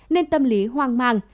nên tâm lý hoang mang